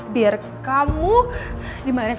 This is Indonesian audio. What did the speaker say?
biar kamu dimalesin